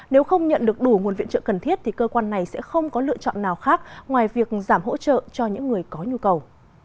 nếu không nhận được đủ nguồn viện trợ cần thiết thì cơ quan này sẽ không có lựa chọn nào khác ngoài việc giảm hỗ trợ cho những người có nhu cầu